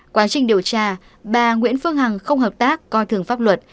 quá trình điều tra bà nguyễn phương hằng không hợp tác coi thường pháp luật